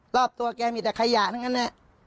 รอบตัวแกมีแต่ขยะทั้งนั้น